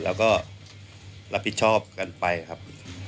แล้วก็รับผิดชอบกันไปครับ